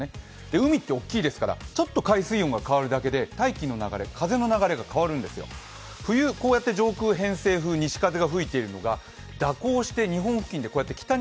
海って大きいですから、ちょっと海水温が変わるだけで大気の流れ風の流れが変わるんですよ、冬、こうやって西風が吹いているのが蛇行します。